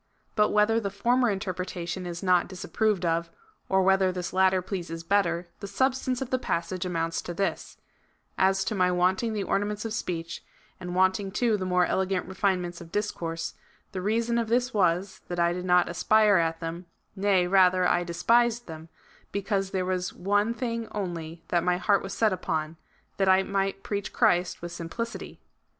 But whether the former interpretation is not dis approved of, or whether this latter pleases better, the sub stance of the passage amounts to this :" As to my wanting the ornaments of speech, and wanting, too, the more elegant refinements of discourse, the reason of this was, that I did not aspire at them, nay rather, I despised them, because there was one thing only that my heart was set upon — that I might preach Christ with simplicity."